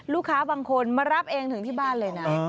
ลูกค้าบางคนมารับเองถึงที่บ้านเลยนะ